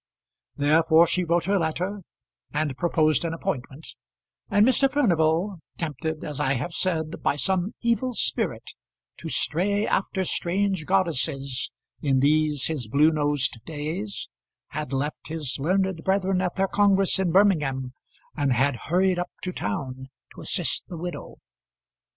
Therefore she wrote her letter, and proposed an appointment; and Mr. Furnival, tempted as I have said by some evil spirit to stray after strange goddesses in these his blue nosed days, had left his learned brethren at their congress in Birmingham, and had hurried up to town to assist the widow.